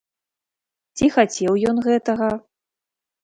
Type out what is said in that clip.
Ці хацеў ён гэтага?